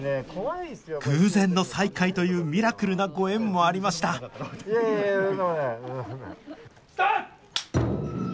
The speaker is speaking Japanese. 偶然の再会というミラクルなご縁もありましたスタート！